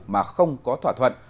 mà không có thỏa thuận